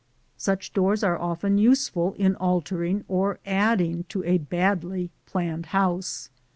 Such doors are often useful in altering or adding to a badly planned house.